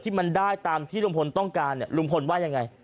มันได้ตามที่ลุงพลต้องการเนี่ยลุงพลว่ายังไง